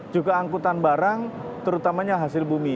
juga angkutan barang terutamanya hasil bumi